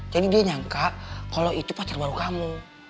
jadi dia nyangka kalau itu pacar baru kamu